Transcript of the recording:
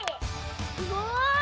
すごい！